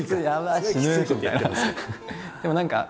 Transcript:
でも何か